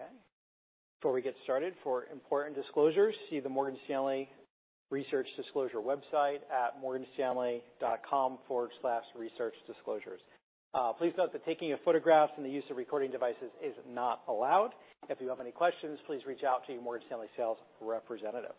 Okay. Before we get started, for important disclosures, see the Morgan Stanley Research Disclosure website at morganstanley.com/researchdisclosures. Please note that taking of photographs and the use of recording devices is not allowed. If you have any questions, please reach out to your Morgan Stanley sales representative.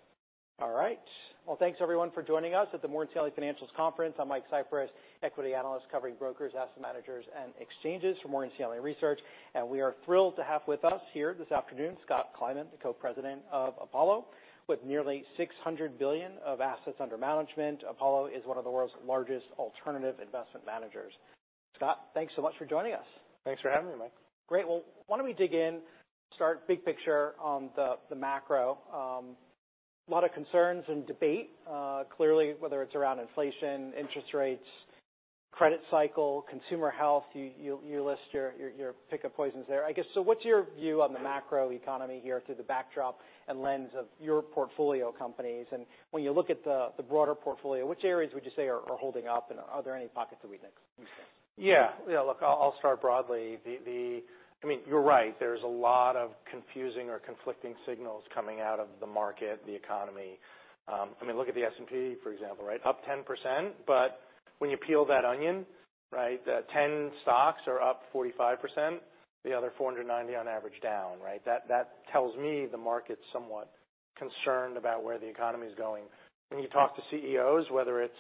All right. Well, thanks, everyone, for joining us at the Morgan Stanley Financials Conference. I'm Michael Cyprys, equity analyst covering brokers, asset managers, and exchanges for Morgan Stanley Research. We are thrilled to have with us here this afternoon, Scott Kleinman, the Co-President of Apollo. With nearly $600 billion of assets under management, Apollo is one of the world's largest alternative investment managers. Scott, thanks so much for joining us. Thanks for having me, Mike. Great. Well, why don't we dig in, start big picture on the macro? A lot of concerns and debate, clearly, whether it's around inflation, interest rates, credit cycle, consumer health, you list your pick of poisons there. I guess, what's your view on the macro economy here through the backdrop and lens of your portfolio companies? When you look at the broader portfolio, which areas would you say are holding up, and are there any pockets that we'd miss? Yeah. Yeah, look, I'll start broadly. The, I mean, you're right. There's a lot of confusing or conflicting signals coming out of the market, the economy. I mean, look at the S&P, for example, right? Up 10%, but when you peel that onion, right, the 10 stocks are up 45%, the other 490 on average down, right? That tells me the market's somewhat concerned about where the economy is going. When you talk to CEOs, whether it's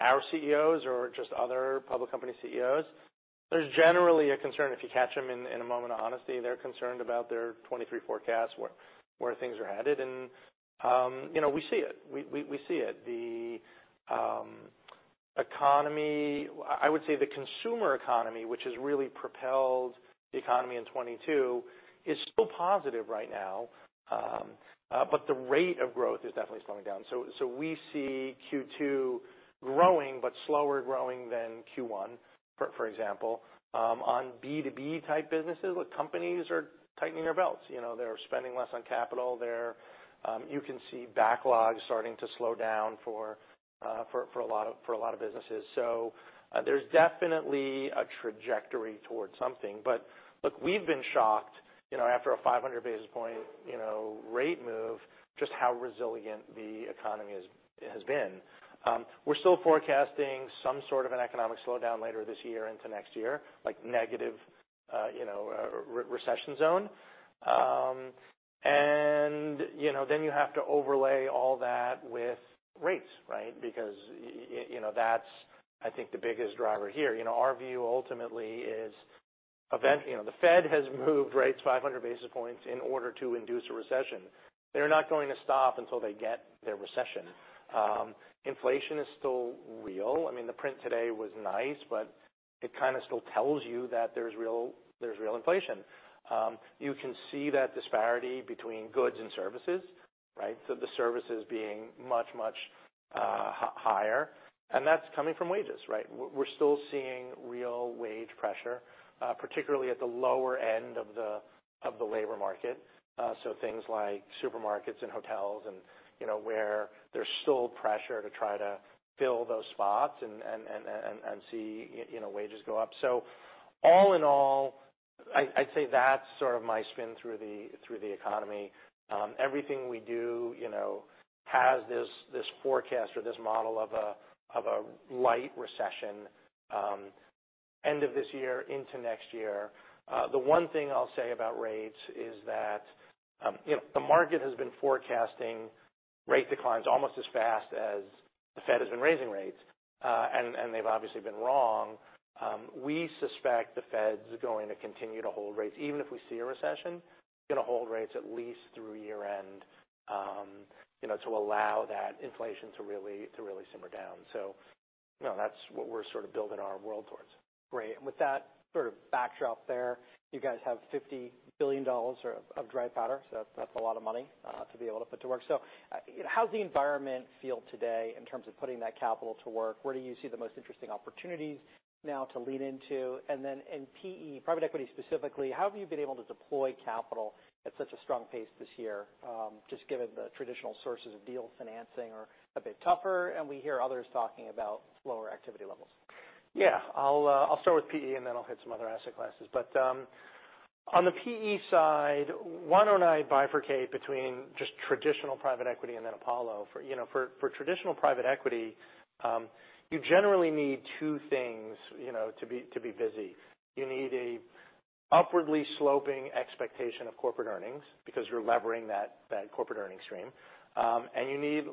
our CEOs or just other public company CEOs, there's generally a concern, if you catch them in a moment of honesty, they're concerned about their 2023 forecast, where things are headed. you know, we see it. We see it. The economy... I would say the consumer economy, which has really propelled the economy in 22, is still positive right now. The rate of growth is definitely slowing down. We see Q2 growing, but slower growing than Q1, for example. On B2B type businesses, look, companies are tightening their belts. You know, they're spending less on capital. They're, you can see backlogs starting to slow down for a lot of businesses. There's definitely a trajectory towards something. Look, we've been shocked, you know, after a 500 basis point, you know, rate move, just how resilient the economy has been. We're still forecasting some sort of an economic slowdown later this year into next year, like negative, you know, recession zone. You know, then you have to overlay all that with rates, right? You know, that's, I think, the biggest driver here. You know, our view ultimately is, you know, the Fed has moved rates 500 basis points in order to induce a recession. They're not going to stop until they get their recession. Inflation is still real. I mean, the print today was nice, but it kind of still tells you that there's real inflation. You can see that disparity between goods and services, right? The services being much, much higher, and that's coming from wages, right? We're still seeing real wage pressure, particularly at the lower end of the labor market. Things like supermarkets and hotels and, you know, where there's still pressure to try to fill those spots and, and see, you know, wages go up. All in all, I'd say that's sort of my spin through the, through the economy. Everything we do, you know, has this forecast or this model of a, of a light recession, end of this year into next year. The one thing I'll say about rates is that, you know, the market has been forecasting rate declines almost as fast as the Fed has been raising rates, and they've obviously been wrong. We suspect the Fed's going to continue to hold rates, even if we see a recession, gonna hold rates at least through year-end, you know, to allow that inflation to really simmer down. You know, that's what we're sort of building our world towards. Great. With that sort of backdrop there, you guys have $50 billion of dry powder, that's a lot of money to be able to put to work. How does the environment feel today in terms of putting that capital to work? Where do you see the most interesting opportunities now to lean into? In PE, private equity specifically, how have you been able to deploy capital at such a strong pace this year? Just given the traditional sources of deal financing are a bit tougher, and we hear others talking about lower activity levels. Yeah. I'll start with PE, and then I'll hit some other asset classes. On the PE side, why don't I bifurcate between just traditional private equity and then Apollo? For, you know, for traditional private equity, you generally need two things, you know, to be busy. You need a upwardly sloping expectation of corporate earnings because you're levering that corporate earnings stream. And you need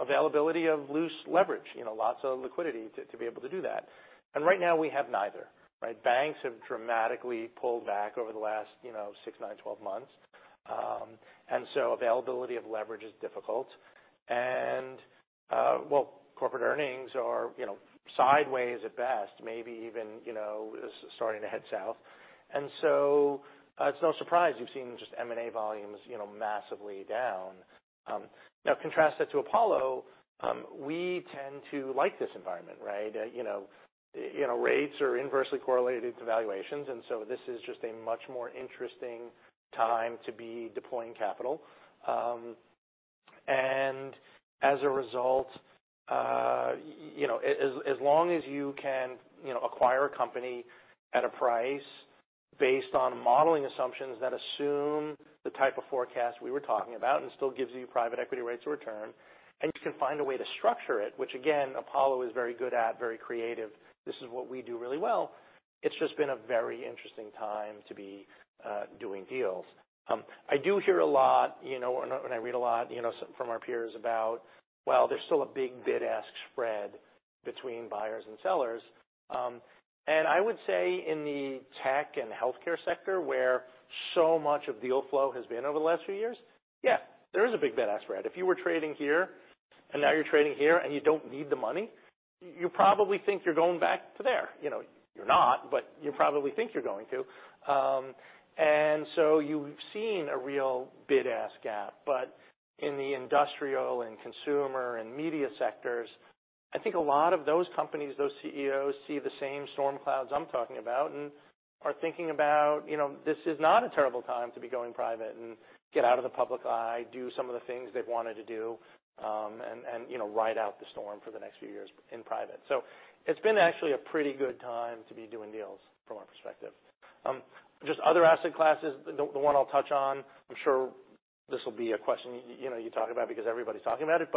availability of loose leverage, you know, lots of liquidity to be able to do that. Right now, we have neither, right? Banks have dramatically pulled back over the last, you know, six, nine, 12 months. So availability of leverage is difficult. Well, corporate earnings are, you know, sideways at best, maybe even, you know, starting to head south. It's no surprise you've seen just M&A volumes, you know, massively down. Now, contrast that to Apollo, we tend to like this environment, right? You know, rates are inversely correlated to valuations, and so this is just a much more interesting time to be deploying capital. As a result, you know, as long as you can, you know, acquire a company at a price based on modeling assumptions that assume the type of forecast we were talking about and still gives you private equity rates of return, and you can find a way to structure it, which again, Apollo is very good at, very creative. This is what we do really well. It's just been a very interesting time to be, doing deals. I do hear a lot, you know, I read a lot, you know, from our peers about, well, there's still a big bid-ask spread between buyers and sellers. I would say in the tech and healthcare sector, where so much of deal flow has been over the last few years, yeah, there is a big bid-ask spread. If you were trading here, and now you're trading here, and you don't need the money, you probably think you're going back to there. You know, you're not, but you probably think you're going to. You've seen a real bid-ask gap. In the industrial and consumer and media sectors, I think a lot of those companies, those CEOs, see the same storm clouds I'm talking about and are thinking about, you know, this is not a terrible time to be going private and get out of the public eye, do some of the things they've wanted to do, and, you know, ride out the storm for the next few years in private. It's been actually a pretty good time to be doing deals from our perspective. Just other asset classes, the one I'll touch on, I'm sure this will be a question, you know, you talk about because everybody's talking about it.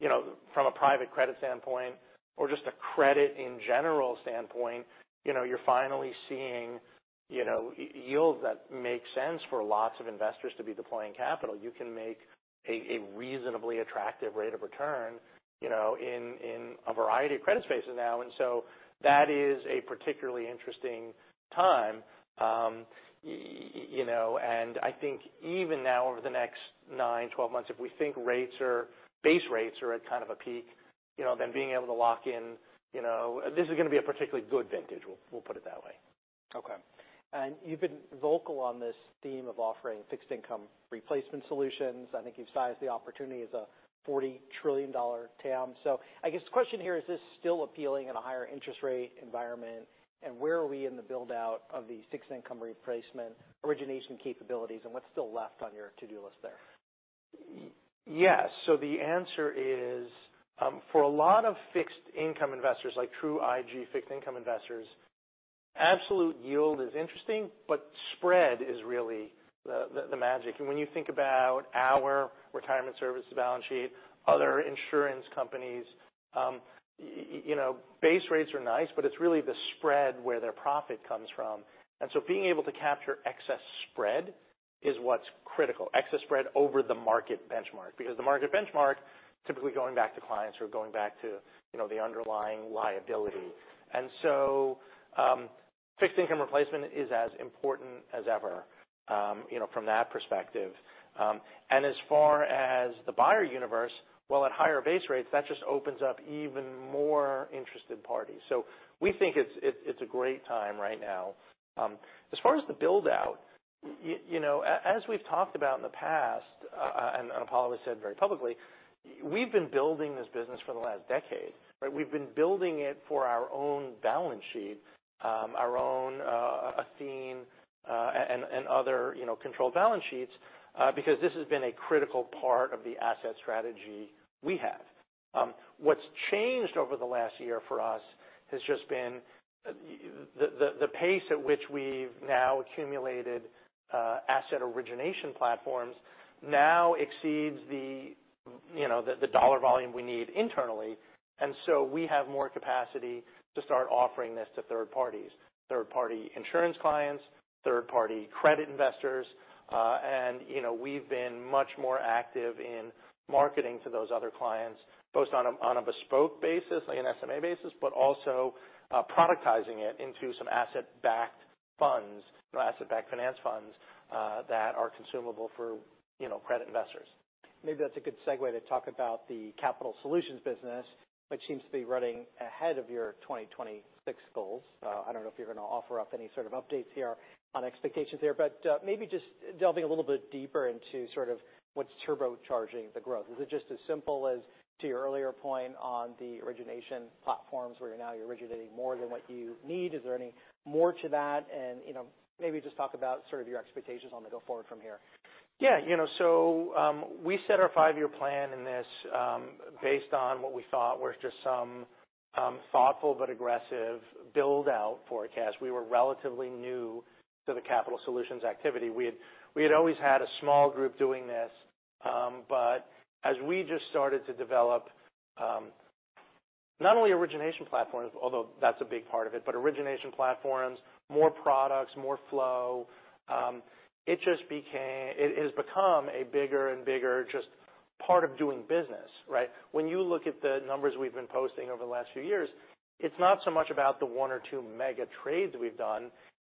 You know, from a private credit standpoint or just a credit in general standpoint, you know, you're finally seeing, you know, yields that make sense for lots of investors to be deploying capital. You can make a reasonably attractive rate of return, you know, in a variety of credit spaces now. That is a particularly interesting time. You know, and I think even now, over the next nine, 12 months, if we think base rates are at kind of a peak, you know, then being able to lock in, you know. This is gonna be a particularly good vintage. We'll put it that way. Okay. You've been vocal on this theme of offering fixed income replacement solutions. I think you've sized the opportunity as a $40 trillion TAM. I guess the question here, is this still appealing in a higher interest rate environment? Where are we in the build-out of the fixed income replacement origination capabilities, and what's still left on your to-do list there? Yes. The answer is, for a lot of fixed income investors, like true IG fixed income investors, absolute yield is interesting, but spread is really the magic. When you think about our retirement services balance sheet, other insurance companies, you know, base rates are nice, but it's really the spread where their profit comes from. Being able to capture excess spread is what's critical. Excess spread over the market benchmark, because the market benchmark, typically going back to clients or going back to, you know, the underlying liability. Fixed income replacement is as important as ever, you know, from that perspective. As far as the buyer universe, well, at higher base rates, that just opens up even more interested parties. We think it's a great time right now. As far as the build-out, you know, as we've talked about in the past, and Apollo said very publicly, we've been building this business for the last decade, right? We've been building it for our own balance sheet, our own Athene, and other, you know, controlled balance sheets, because this has been a critical part of the asset strategy we have. What's changed over the last year for us has just been the pace at which we've now accumulated asset origination platforms now exceeds the dollar volume we need internally. We have more capacity to start offering this to third parties, third-party insurance clients, third-party credit investors. You know, we've been much more active in marketing to those other clients, both on a, on a bespoke basis, like an SMA basis, but also productizing it into some asset-backed funds, or asset-backed finance funds, that are consumable for, you know, credit investors. Maybe that's a good segue to talk about the capital solutions business, which seems to be running ahead of your 2026 goals. I don't know if you're going to offer up any sort of updates here on expectations here, but maybe just delving a little bit deeper into sort of what's turbocharging the growth. Is it just as simple as, to your earlier point on the origination platforms, where now you're originating more than what you need? Is there any more to that? You know, maybe just talk about sort of your expectations on the go forward from here. You know, we set our five-year plan in this, based on what we thought were just some thoughtful but aggressive build-out forecasts. We were relatively new to the capital solutions activity. We had always had a small group doing this, but as we just started to develop, not only origination platforms, although that's a big part of it, but origination platforms, more products, more flow, it has become a bigger and bigger just part of doing business, right? When you look at the numbers we've been posting over the last few years, it's not so much about the one or two mega trades we've done.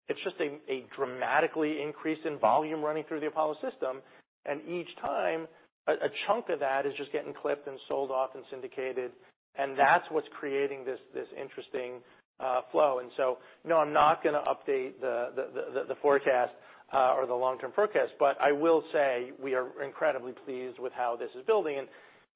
It's just a dramatically increase in volume running through the Apollo system, and each time, a chunk of that is just getting clipped and sold off and syndicated, and that's what's creating this interesting flow. No, I'm not gonna update the forecast or the long-term forecast, but I will say we are incredibly pleased with how this is building.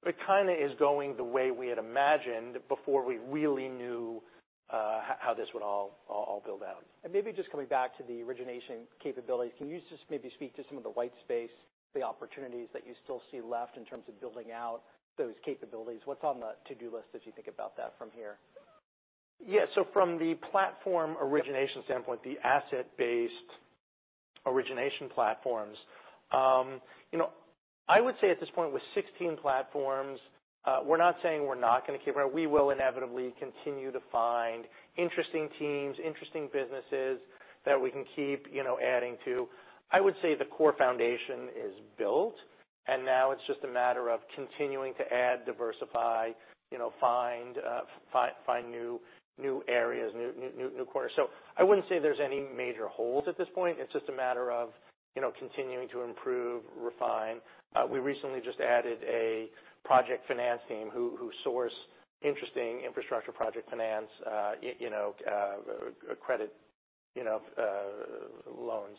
It kind of is going the way we had imagined before we really knew how this would all build out. maybe just coming back to the origination capabilities, can you just maybe speak to some of the white space, the opportunities that you still see left in terms of building out those capabilities? What's on the to-do list as you think about that from here? Yeah, so from the platform origination standpoint, the asset-based origination platforms, you know, I would say at this point, with 16 platforms, we're not saying we're not gonna keep around. We will inevitably continue to find interesting teams, interesting businesses that we can keep, you know, adding to. I would say the core foundation is built, and now it's just a matter of continuing to add, diversify, you know, find new areas, new corners. I wouldn't say there's any major holes at this point. It's just a matter of, you know, continuing to improve, refine. We recently just added a project finance team who source interesting infrastructure project finance, you know, credit, you know, loans.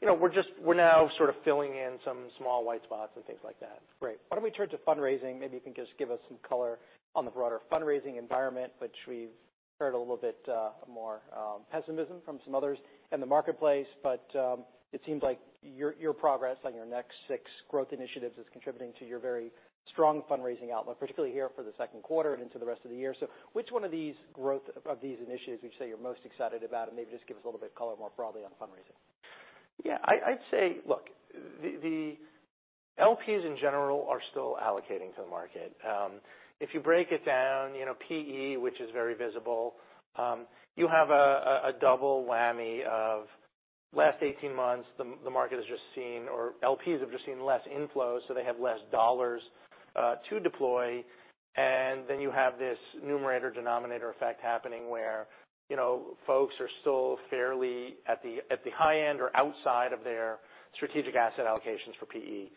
You know, we're now sort of filling in some small white spots and things like that. Great. Why don't we turn to fundraising? Maybe you can just give us some color on the broader fundraising environment, which we've heard a little bit more pessimism from some others in the marketplace. It seems like your progress on your next six growth initiatives is contributing to your very strong fundraising outlook, particularly here for the 2nd quarter and into the rest of the year. Which one of these initiatives would you say you're most excited about? Maybe just give us a little bit of color more broadly on fundraising. Yeah, I'd say, look, the LPs in general are still allocating to the market. If you break it down, you know, PE, which is very visible, you have a double whammy of last 18 months, the market has just seen or LPs have just seen less inflows, so they have less dollars to deploy. You have this numerator-denominator effect happening, where, you know, folks are still fairly at the high end or outside of their strategic asset allocations for PE.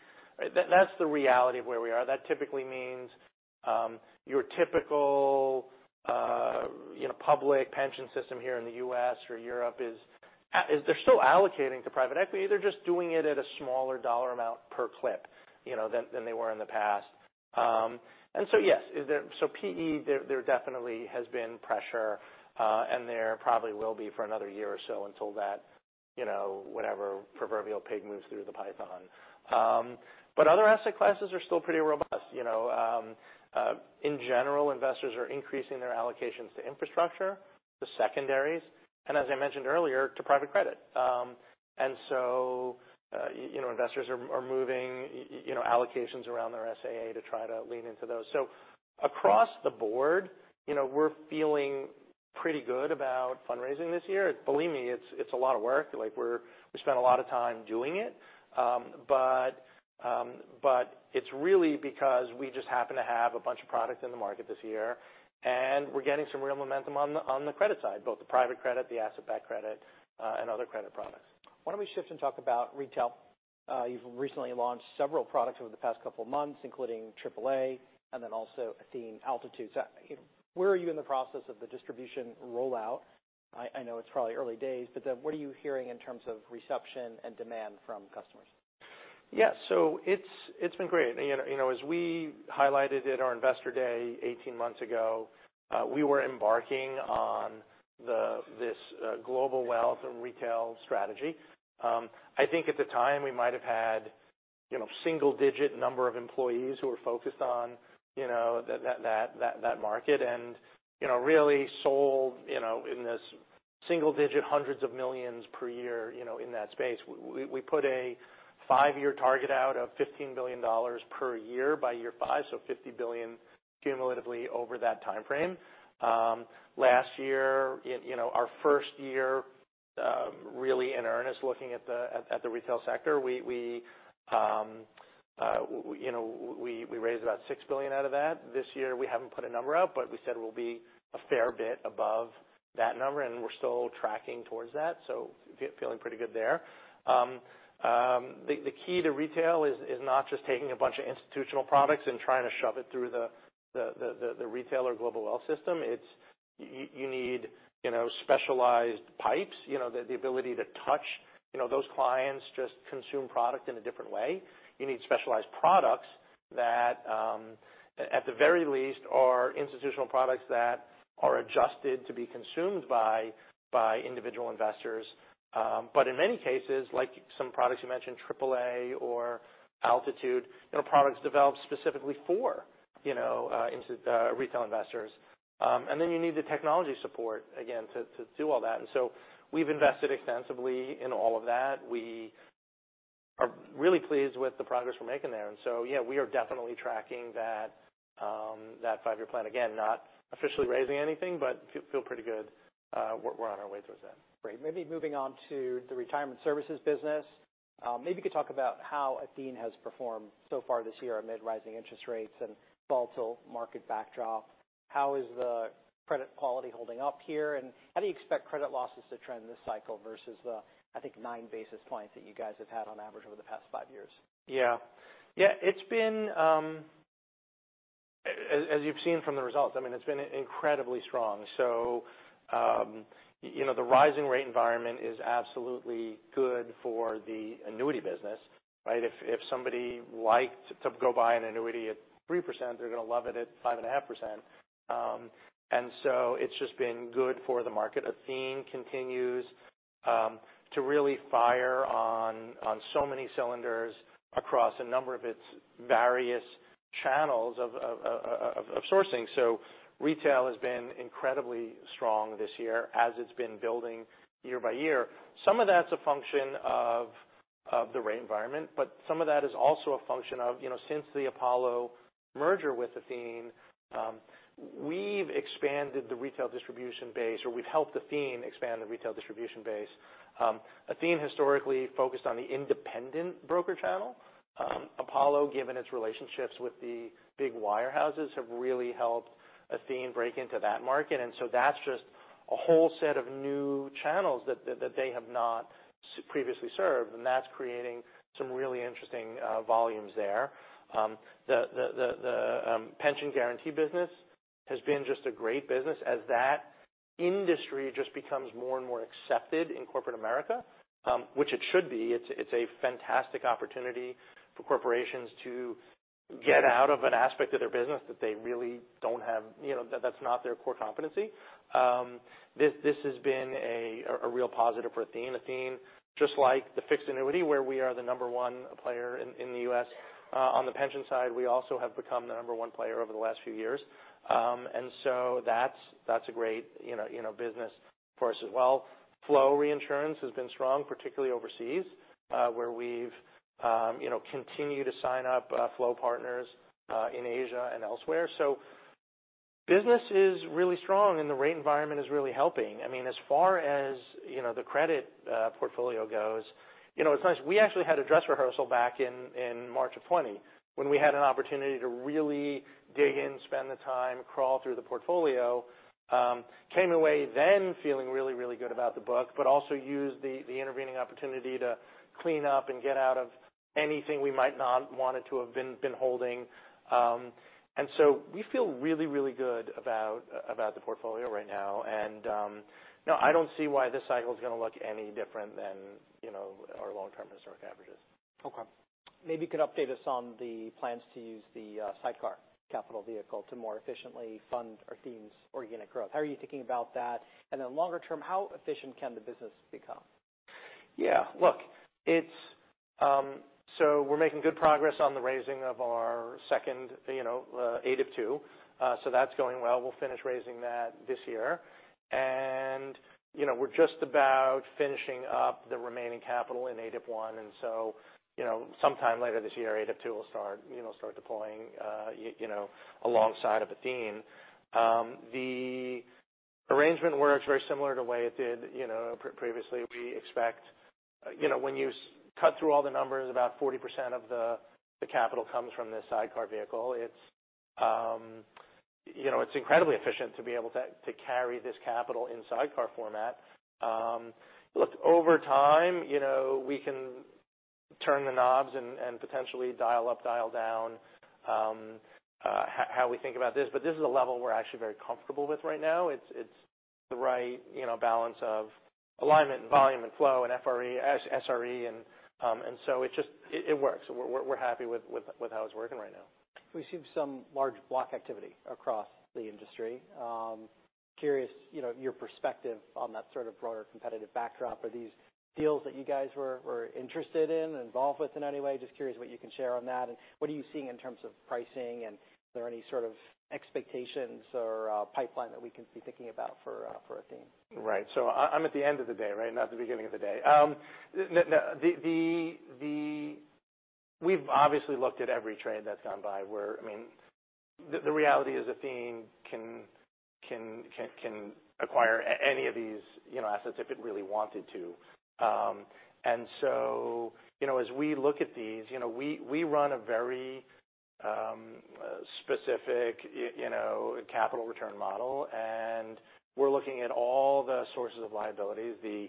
That's the reality of where we are. That typically means, your typical, you know, public pension system here in the U.S. or Europe is they're still allocating to private equity. They're just doing it at a smaller dollar amount per clip, you know, than they were in the past. Yes, PE, there definitely has been pressure, and there probably will be for another year or so until that, you know, whatever proverbial pig moves through the python. Other asset classes are still pretty robust. You know, in general, investors are increasing their allocations to infrastructure, to secondaries, and as I mentioned earlier, to private credit. You know, investors are moving, you know, allocations around their SAA to try to lean into those. Across the board, you know, we're feeling pretty good about fundraising this year. Believe me, it's a lot of work. Like we spent a lot of time doing it. It's really because we just happen to have a bunch of products in the market this year, and we're getting some real momentum on the, on the credit side, both the private credit, the asset-backed credit, and other credit products. Why don't we shift and talk about retail? You've recently launched several products over the past couple of months, including AAA, and then also Athene Altitude. Where are you in the process of the distribution rollout? I know it's probably early days, but, what are you hearing in terms of reception and demand from customers? It's, it's been great. You know, you know, as we highlighted at our Investor Day 18 months ago, we were embarking on this global wealth and retail strategy. I think at the time, we might have had, you know, single-digit number of employees who were focused on, you know, that market. You know, really sold, you know, in this single-digit, hundreds of millions of dollars per year, you know, in that space. We put a five year target out of $15 billion per year by year five, so $50 billion cumulatively over that timeframe. Last year, you know, our first year, really in earnest, looking at the retail sector, we, you know, we raised about $6 billion out of that. This year, we haven't put a number out. We said it will be a fair bit above that number, and we're still tracking towards that, so feeling pretty good there. The key to retail is not just taking a bunch of institutional products and trying to shove it through the retail or global wealth system. You need, you know, specialized pipes, you know, the ability to touch. You know, those clients just consume product in a different way. You need specialized products that, at the very least, are institutional products that are adjusted to be consumed by individual investors. In many cases, like some products you mentioned, Apollo Aligned Alternatives or Altitude, they are products developed specifically for, you know, into retail investors. You need the technology support again to do all that. We've invested extensively in all of that. We are really pleased with the progress we're making there. Yeah, we are definitely tracking that five-year plan. Again, not officially raising anything, but feel pretty good, we're on our way towards that. Great. Maybe moving on to the retirement services business. Maybe you could talk about how Athene has performed so far this year amid rising interest rates and volatile market backdrop. How is the credit quality holding up here, and how do you expect credit losses to trend this cycle versus the, I think, 9 basis points that you guys have had on average over the past five years? Yeah. Yeah, it's been, as you've seen from the results, I mean, it's been incredibly strong. you know, the rising rate environment is absolutely good for the annuity business, right? If somebody liked to go buy an annuity at 3%, they're gonna love it at 5.5%. it's just been good for the market. Athene continues to really fire on so many cylinders across a number of its various channels of sourcing. Retail has been incredibly strong this year as it's been building year by year. Some of that's a function of the rate environment, but some of that is also a function of, you know, since the Apollo merger with Athene, we've expanded the retail distribution base, or we've helped Athene expand the retail distribution base. Athene historically focused on the independent broker channel. Apollo, given its relationships with the big wirehouses, have really helped Athene break into that market. That's just a whole set of new channels that they have not previously served, and that's creating some really interesting volumes there. The pension guarantee business has been just a great business as that industry just becomes more and more accepted in corporate America, which it should be. It's a fantastic opportunity for corporations to get out of an aspect of their business that they really don't have, you know, that's not their core competency. This has been a real positive for Athene. Athene, just like the fixed annuity, where we are the number one player in the U.S., on the pension side, we also have become the number one player over the last few years. That's, that's a great, you know, business for us as well. Flow reinsurance has been strong, particularly overseas, where we've, you know, continue to sign up, flow partners in Asia and elsewhere. Business is really strong, and the rate environment is really helping. I mean, as far as, you know, the credit portfolio goes, you know, it's nice. We actually had a dress rehearsal back in March of 2020, when we had an opportunity to really dig in, spend the time, crawl through the portfolio. came away then feeling really, really good about the book, also used the intervening opportunity to clean up and get out of anything we might not wanted to have been holding. We feel really, really good about the portfolio right now. No, I don't see why this cycle is gonna look any different than, you know, our long-term historic averages. Okay. Maybe you could update us on the plans to use the sidecar capital vehicle to more efficiently fund Athene's organic growth. How are you thinking about that? Longer term, how efficient can the business become? Yeah. Look, it's. We're making good progress on the raising of our second, you know, AOF II. That's going well. We'll finish raising that this year. You know, we're just about finishing up the remaining capital in AOF I. You know, sometime later this year, AOF II will start, you know, start deploying, you know, alongside of Athene. The arrangement works very similar to the way it did, you know, previously. We expect, you know, when you cut through all the numbers, about 40% of the capital comes from this sidecar vehicle. It's, you know, it's incredibly efficient to be able to carry this capital in sidecar format. Look, over time, you know, we can turn the knobs and potentially dial up, dial down, how we think about this, but this is a level we're actually very comfortable with right now. It's the right, you know, balance of alignment and volume and flow and FRE, SRE, and so it works. We're happy with how it's working right now. We've seen some large block activity across the industry. Curious, you know, your perspective on that sort of broader competitive backdrop. Are these deals that you guys were interested in, involved with in any way? Just curious what you can share on that. What are you seeing in terms of pricing? Are there any sort of expectations or pipeline that we can be thinking about for Athene? Right. I'm at the end of the day, right? Not the beginning of the day. No, the We've obviously looked at every trade that's gone by where, I mean, the reality is Athene can acquire any of these, you know, assets if it really wanted to. You know, as we look at these, you know, we run a very specific, you know, capital return model, and we're looking at all the sources of liabilities, the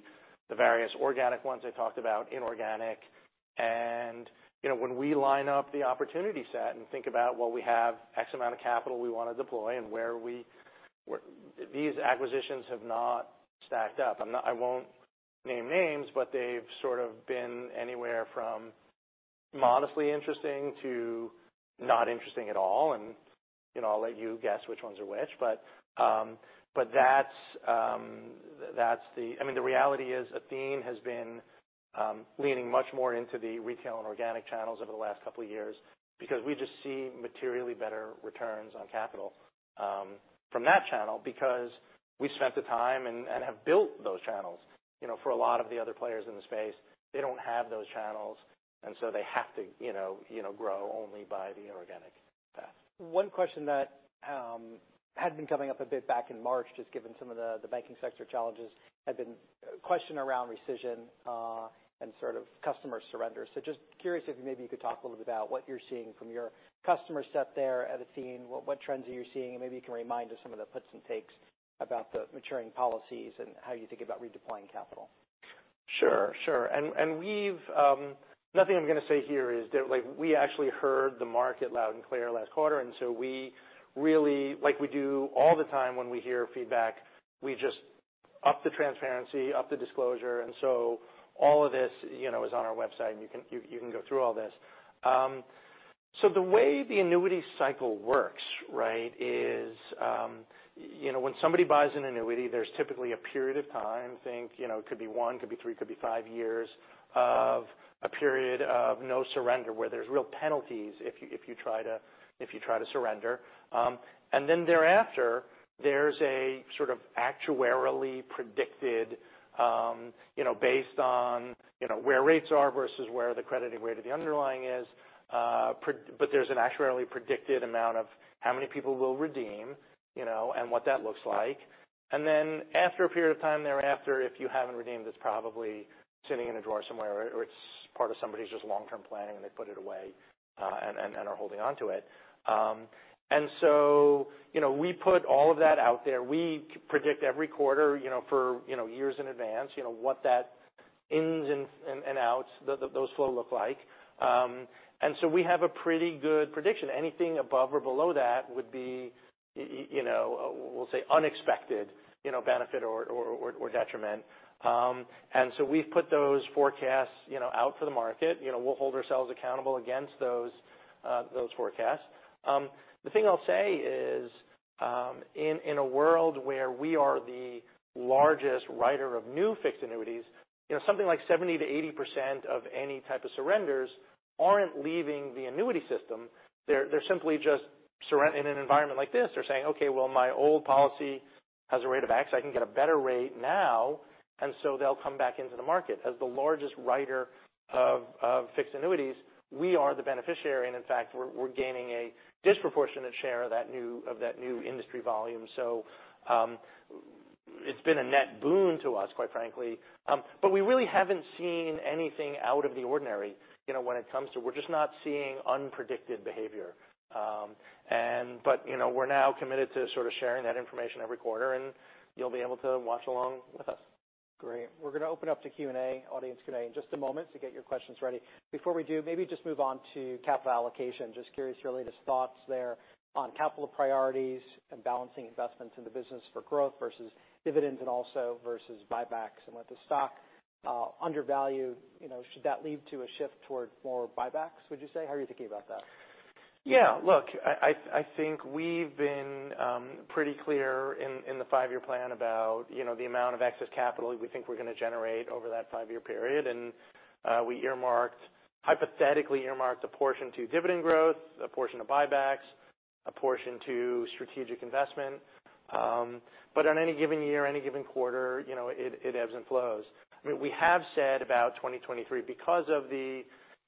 various organic ones I talked about, inorganic. You know, when we line up the opportunity set and think about, well, we have X amount of capital we want to deploy and where these acquisitions have not stacked up. I won't name names, but they've sort of been anywhere from modestly interesting to not interesting at all, and, you know, I'll let you guess which ones are which. That's, that's the... I mean, the reality is, Athene has been leaning much more into the retail and organic channels over the last couple of years because we just see materially better returns on capital from that channel because we spent the time and have built those channels. You know, for a lot of the other players in the space, they don't have those channels, and so they have to, you know, grow only by the inorganic path. One question that had been coming up a bit back in March, just given some of the banking sector challenges, had been question around rescission, and sort of customer surrender. Just curious if maybe you could talk a little bit about what you're seeing from your customer set there at Athene? What, what trends are you seeing? Maybe you can remind us some of the puts and takes about the maturing policies and how you think about redeploying capital? Sure, sure. we've, nothing I'm gonna say here is that, like, we actually heard the market loud and clear last quarter, and so we really, like we do all the time when we hear feedback, we just up the transparency, up the disclosure, and so all of this, you know, is on our website, and you can go through all this. The way the annuity cycle works, right, is, you know, when somebody buys an annuity, there's typically a period of time, think, you know, it could be one, could be three, could be five years of a period of no surrender, where there's real penalties if you try to surrender. Then thereafter, there's a sort of actuarially predicted, you know, based on, you know, where rates are versus where the credited rate of the underlying is, but there's an actuarially predicted amount of how many people will redeem, you know, and what that looks like. Then, after a period of time thereafter, if you haven't redeemed, it's probably sitting in a drawer somewhere, or it's part of somebody's just long-term planning, and they put it away, and are holding onto it. So, you know, we put all of that out there. We predict every quarter, you know, for, you know, years in advance, you know, what that ins and outs, those flow look like. So we have a pretty good prediction. Anything above or below that would be, you know, we'll say, unexpected, you know, benefit or detriment. We've put those forecasts, you know, out for the market. You know, we'll hold ourselves accountable against those forecasts. The thing I'll say is, in a world where we are the largest writer of new fixed annuities, you know, something like 70%-80% of any type of surrenders aren't leaving the annuity system. They're simply just in an environment like this, they're saying, "Okay, well, my old policy has a rate of X. I can get a better rate now," they'll come back into the market. As the largest writer of fixed annuities, we are the beneficiary, and in fact, we're gaining a disproportionate share of that new industry volume. It's been a net boon to us, quite frankly. We really haven't seen anything out of the ordinary, you know. We're just not seeing unpredicted behavior. You know, we're now committed to sort of sharing that information every quarter, and you'll be able to watch along with us. Great. We're gonna open up to Q&A, audience Q&A, in just a moment, so get your questions ready. Before we do, maybe just move on to capital allocation. Just curious your latest thoughts there on capital priorities and balancing investments in the business for growth versus dividends and also versus buybacks. With the stock, undervalued, you know, should that lead to a shift toward more buybacks, would you say? How are you thinking about that? Yeah. Look, I think we've been pretty clear in the five-year plan about, you know, the amount of excess capital we think we're gonna generate over that five-year period. We hypothetically earmarked a portion to dividend growth, a portion to buybacks, a portion to strategic investment. On any given year, any given quarter, you know, it ebbs and flows. I mean, we have said about 2023, because of the,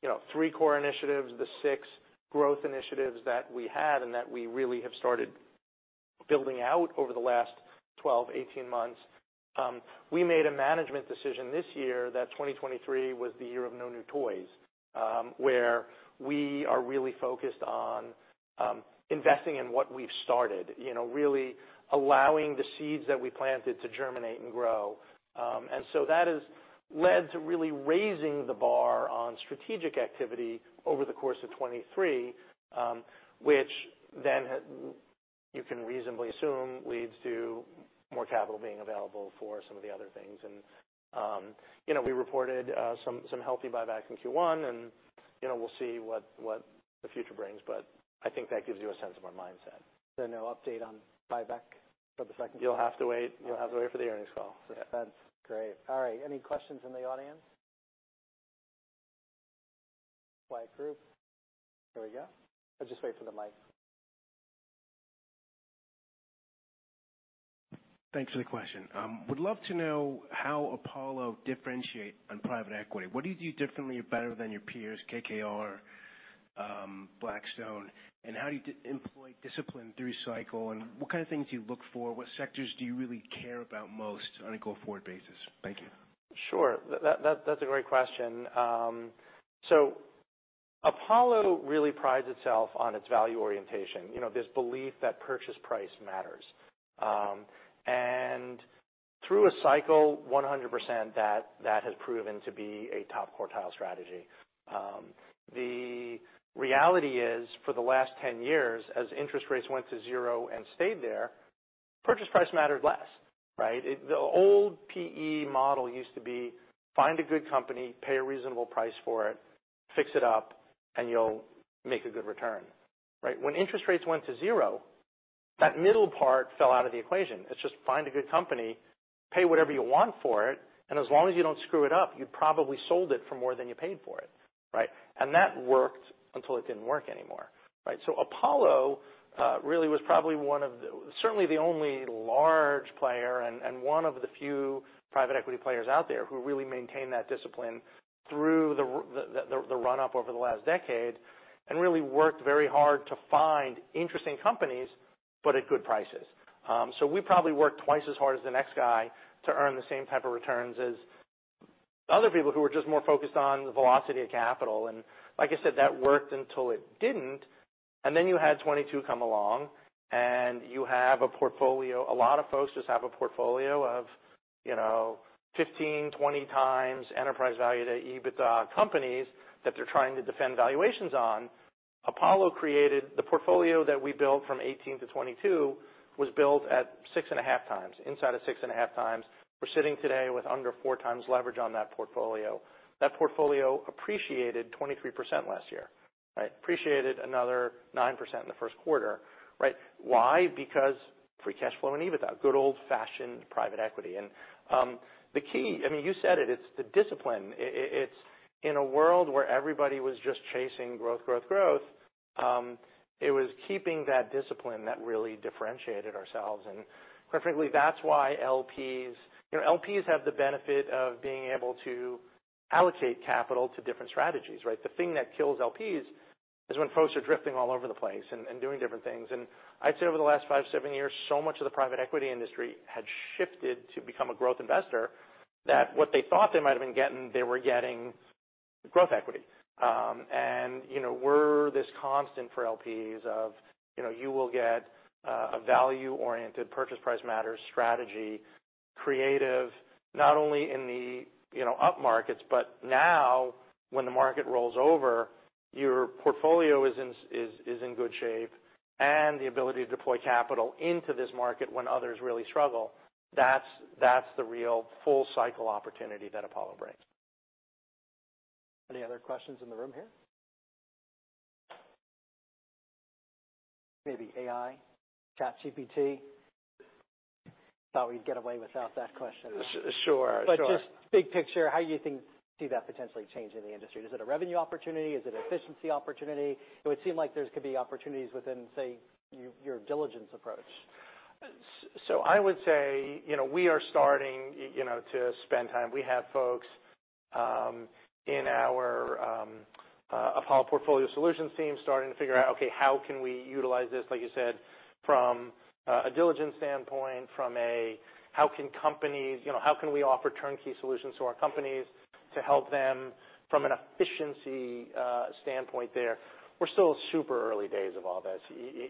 you know, three core initiatives, the six growth initiatives that we had and that we really have started building out over the last 12, 18 months, we made a management decision this year that 2023 was the year of no new toys, where we are really focused on investing in what we've started, you know, really allowing the seeds that we planted to germinate and grow. That has led to really raising the bar on strategic activity over the course of 23, which then you can reasonably assume leads to more capital being available for some of the other things. You know, we reported some healthy buyback in Q1, and, you know, we'll see what the future brings, but I think that gives you a sense of our mindset. No update on buyback for the. You'll have to wait. You'll have to wait for the earnings call. That's great. All right, any questions in the audience? Quiet group. Here we go. Just wait for the mic. Thanks for the question. Would love to know how Apollo differentiate on private equity. What do you do differently or better than your peers, KKR, Blackstone? How do you employ discipline through cycle, and what kind of things do you look for? What sectors do you really care about most on a go-forward basis? Thank you. Sure. That's a great question. Apollo really prides itself on its value orientation, you know, this belief that purchase price matters. Through a cycle, 100%, that has proven to be a top quartile strategy. The reality is, for the last 10 years, as interest rates went to zero and stayed there, purchase price mattered less, right? The old PE model used to be, find a good company, pay a reasonable price for it, fix it up, and you'll make a good return, right? When interest rates went to zero, that middle part fell out of the equation. It's just find a good company, pay whatever you want for it, and as long as you don't screw it up, you probably sold it for more than you paid for it, right? That worked until it didn't work anymore, right? Apollo really was probably certainly the only large player and one of the few private equity players out there who really maintained that discipline through the run-up over the last decade and really worked very hard to find interesting companies, but at good prices. We probably worked twice as hard as the next guy to earn the same type of returns as other people who were just more focused on the velocity of capital. Like I said, that worked until it didn't. Then you had 2022 come along, and you have a portfolio. A lot of folks just have a portfolio of, you know, 15, 20x enterprise value to EBITDA companies that they're trying to defend valuations on. Apollo the portfolio that we built from 2018-2022 was built at 6.5x, inside of 6.5x. We're sitting today with under 4x leverage on that portfolio. That portfolio appreciated 23% last year, right? Appreciated another 9% in the first quarter, right? Why? Because free cash flow and EBITDA, good old-fashioned private equity. The key, I mean, you said it's the discipline. It's in a world where everybody was just chasing growth, it was keeping that discipline that really differentiated ourselves. Quite frankly, that's why LPs. You know, LPs have the benefit of being able to allocate capital to different strategies, right? The thing that kills LPs is when folks are drifting all over the place and doing different things. I'd say over the last five, seven years, so much of the private equity industry had shifted to become a growth investor, that what they thought they might have been getting, they were getting growth equity. You know, we're this constant for LPs of, you know, you will get a value-oriented purchase price matters strategy, creative, not only in the, you know, up markets, but now when the market rolls over, your portfolio is in good shape and the ability to deploy capital into this market when others really struggle, that's the real full cycle opportunity that Apollo brings. Any other questions in the room here? Maybe AI, ChatGPT? Thought we'd get away without that question. Sure. Just big picture, how do you see that potentially changing the industry? Is it a revenue opportunity? Is it an efficiency opportunity? It would seem like there could be opportunities within, say, your diligence approach. I would say, you know, we are starting, you know, to spend time. We have folks in our Apollo Portfolio Solutions team starting to figure out, okay, how can we utilize this, like you said, from a diligence standpoint, from a how can we offer turnkey solutions to our companies to help them from an efficiency standpoint there? We're still super early days of all this,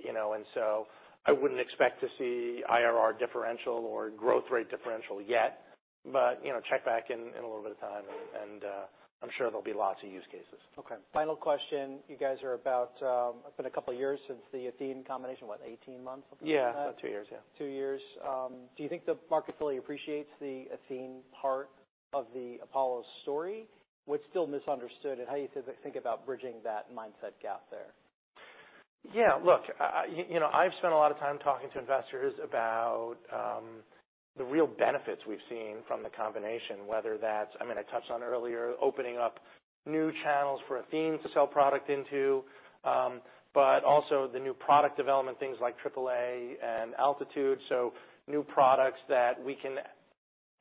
you know, I wouldn't expect to see IRR differential or growth rate differential yet. You know, check back in a little bit of time, and I'm sure there'll be lots of use cases. Okay. Final question: You guys are about... It's been a couple of years since the Athene combination, what, 18 months approximately? Yeah, about two years. Yeah. Two years. Do you think the market fully appreciates the Athene part of the Apollo story? What's still misunderstood, and how do you think about bridging that mindset gap there? Yeah, look, you know, I've spent a lot of time talking to investors about the real benefits we've seen from the combination, whether that's I mean, I touched on it earlier, opening up new channels for Athene to sell product into, but also the new product development, things like AAA and Altitude. New products that we can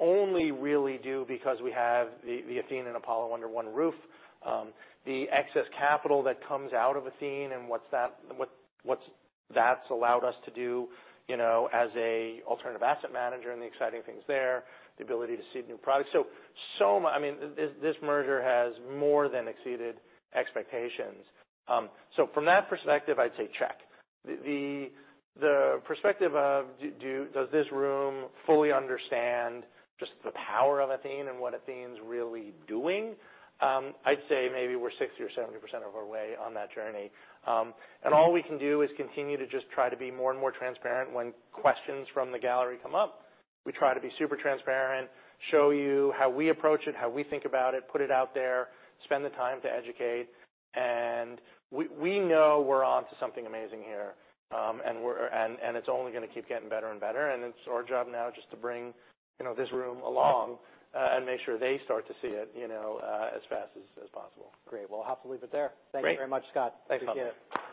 only really do because we have the Athene and Apollo under one roof. The excess capital that comes out of Athene and what's that's allowed us to do, you know, as a alternative asset manager and the exciting things there, the ability to see new products. I mean, this merger has more than exceeded expectations. From that perspective, I'd say check. The perspective of does this room fully understand just the power of Athene and what Athene's really doing? I'd say maybe we're 60% or 70% of our way on that journey. All we can do is continue to just try to be more and more transparent when questions from the gallery come up. We try to be super transparent, show you how we approach it, how we think about it, put it out there, spend the time to educate. We know we're onto something amazing here, and it's only going to keep getting better and better, and it's our job now just to bring, you know, this room along, and make sure they start to see it, you know, as fast as possible. Great. Well, I'll have to leave it there. Great. Thank you very much, Scott. Thanks. Appreciate it.